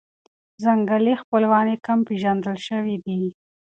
ځنګلي خپلوان یې کم پېژندل شوي دي.